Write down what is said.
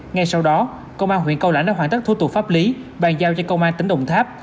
ngay sau đó công an huyện cao lãnh đã hoàn tất thủ tục pháp lý bàn giao cho công an tỉnh đồng tháp